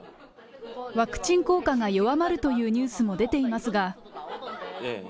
ワクチン効果が弱まるというニュースも出ていますが？